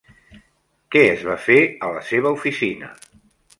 Què es va fer a la seva oficina?